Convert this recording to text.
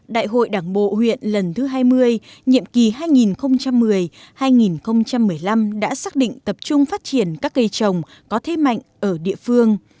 đại hội đảng bộ huyện lần thứ hai mươi nhiệm kỳ hai nghìn một mươi hai nghìn một mươi năm đã xác định tập trung phát triển các cây trồng có thế mạnh ở địa phương